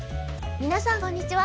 みなさんこんにちは。